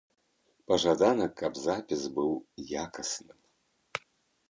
Пажадана, каб запіс быў якасным.